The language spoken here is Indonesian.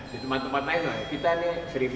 di tempat tempat lain kita ini satu enam ratus dua puluh